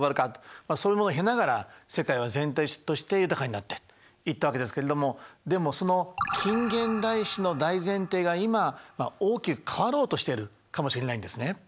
それも経ながら世界は全体として豊かになっていったわけですけれどもでもその近現代史の大前提が今大きく変わろうとしているかもしれないんですね。